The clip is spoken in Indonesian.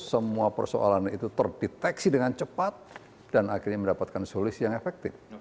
semua persoalan itu terdeteksi dengan cepat dan akhirnya mendapatkan solusi yang efektif